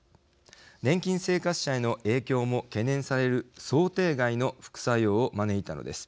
年金生活者への影響も懸念される想定外の副作用を招いたのです。